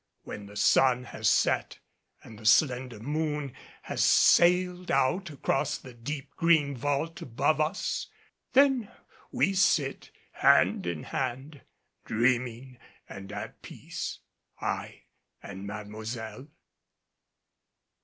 When the sun has set, and the slender moon has sailed out across the deep green vault above us, then we sit, hand in hand, dreaming and at peace, I and Mademoiselle.